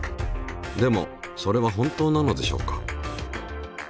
でもそれは本当なのでしょうか。